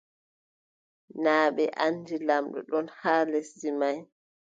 Naa ɓe anndi lamɗo ɗon haa lesdi may ?